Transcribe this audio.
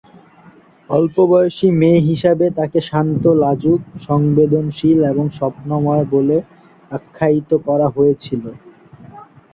অল্প বয়সী মেয়ে হিসাবে তাকে শান্ত, লাজুক, সংবেদনশীল এবং স্বপ্নময় বলে আখ্যায়িত করা হয়েছিল।